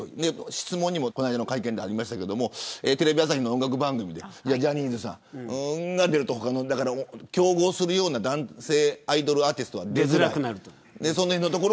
質問にも、この間の会見でありましたけどテレビ朝日の音楽番組でジャニーズさんが出ると他の競合するような男性アイドルアーティストが出づらくなる。